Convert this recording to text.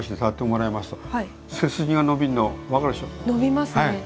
伸びますね。